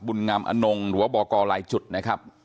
บุญงามอนงหรือว่าบลายจุฏนะครับ